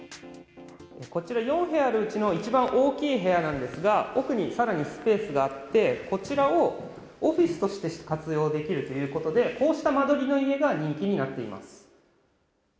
こちら、４部屋あるうちの一番大きい部屋なんですが、奥にさらにスペースがあって、こちらをオフィスとして活用できるということで、こうした間取りの家が人気になっています。